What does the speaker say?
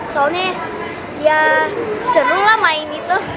soalnya ya seru lah main itu